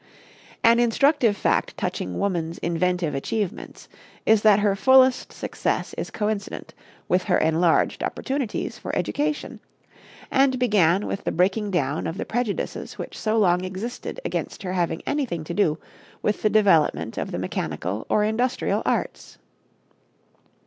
An instructive fact touching woman's inventive achievements is that her fullest success is coincident with her enlarged opportunities for education, and began with the breaking down of the prejudices which so long existed against her having anything to do with the development of the mechanical or industrial arts.